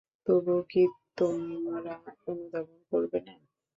তবুও কি তোমরা অনুধাবন করবে না?